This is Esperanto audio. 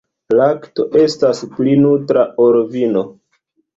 Lakto estas pli nutra, ol vino.